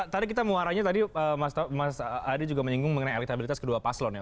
saya mau arahnya tadi mas adi juga menyinggung mengenai elektabilitas kedua paslon ya